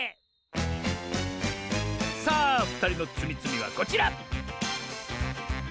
さあふたりのつみつみはこちら！